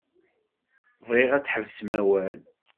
Bɣiɣ ad tḥebsem awal.